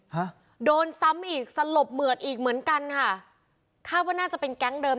ฮะโดนซ้ำอีกสลบเหมือดอีกเหมือนกันค่ะคาดว่าน่าจะเป็นแก๊งเดิม